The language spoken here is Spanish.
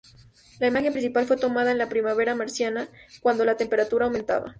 La imagen principal fue tomada en la primavera marciana, cuando la temperatura aumentaba.